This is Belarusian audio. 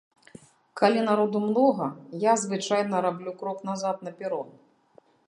Калі народу многа, я звычайна раблю крок назад на перон.